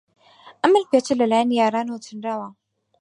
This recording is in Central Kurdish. ئەم ملپێچە لەلایەن یارانەوە چنراوە.